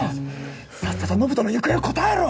さっさと延人の行方を答えろ！